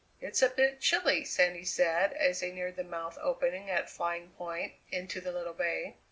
"It's a bit chilly," Sandy said as they neared the mouth opening at Flying Point into the Little Bay.